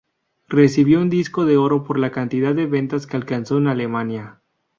Recibió un disco de oro por la cantidad de ventas que alcanzó en Alemania.